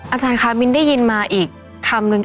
อาจารย์ค่ะมิ้นได้ยินมาอีกคำนึง